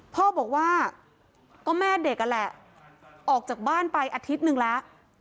พ่อบอกว่าก็แม่เด็กนั่นแหละออกจากบ้านไปอาทิตย์หนึ่งแล้ว